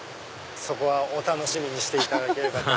お楽しみにしていただければと。